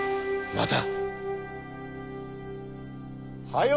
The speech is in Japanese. また！